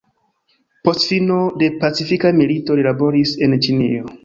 Post fino de Pacifika Milito, li laboris en Ĉinio.